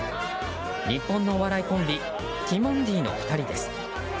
日本のお笑いコンビティモンディの２人です。